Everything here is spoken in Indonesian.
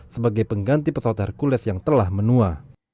sebagai pengganti pesawat hercules yang telah menua